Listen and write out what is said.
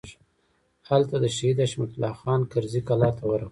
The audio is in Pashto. هلته د شهید حشمت الله خان کرزي کلا ته ورغلو.